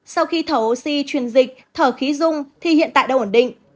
sau khi thở oxy truyền dịch thở khí dung thì hiện tại đâu ổn định